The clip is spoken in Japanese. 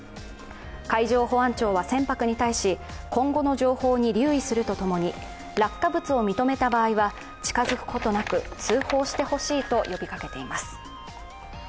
海上保安庁は船舶に対し今後の情報に留意するとともに落下物を認めた場合は近づくことなく通報してほしいと呼びかけています。